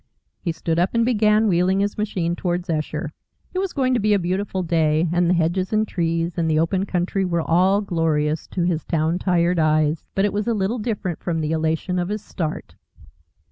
He stood up and began wheeling his machine towards Esher. It was going to be a beautiful day, and the hedges and trees and the open country were all glorious to his town tired eyes. But it was a little different from the elation of his start.